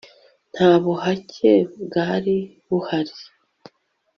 nta buhake bwari buhari